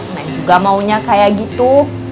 nah juga maunya kayak gitu